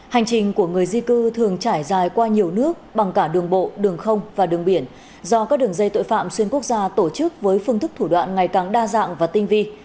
hành trình của người di cư thường trải dài qua nhiều nước bằng cả đường bộ đường không và đường biển do các đường dây tội phạm xuyên quốc gia tổ chức với phương thức thủ đoạn ngày càng đa dạng và tinh vi